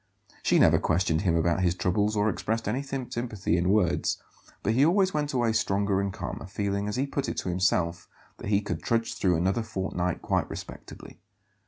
She never questioned him about his troubles or expressed any sympathy in words; but he always went away stronger and calmer, feeling, as he put it to himself, that he could "trudge through another fortnight quite respectably."